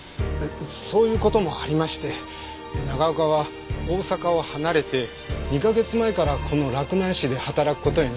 そういう事もありまして長岡は大阪を離れて２か月前からこの洛南市で働く事になったんですが。